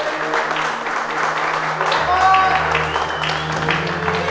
dikelilingi sahabat dan keluarga